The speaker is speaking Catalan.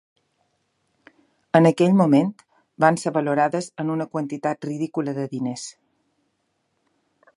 En aquell moment van ser valorades en una quantitat ridícula de diners.